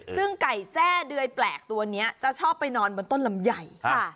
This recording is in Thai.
ซึ่งไก่แจ้เดือยแปลกตัวนี้จะชอบไปนอนบนต้นลำไย